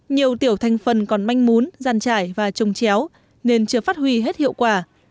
nhiều tiểu thành phần còn manh mún giàn trải và trồng chéo nên chưa phát huy hết hiệu quả